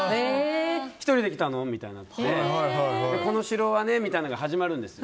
１人で来たの？みたいになってこの城はねみたいなのが始まるんです。